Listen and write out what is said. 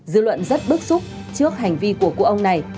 dư luận rất bức xúc trước hành vi của cụ ông này